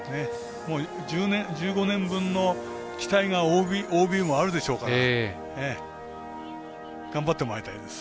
もう１５年分の期待がＯＢもあるでしょうから頑張ってもらいたいです。